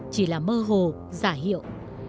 chỉ là mơ hồ giả hiệu